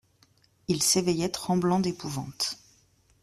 Il s'éveillait tremblant d'épouvante.